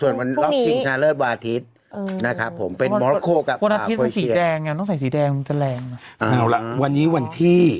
วันนี้วันที่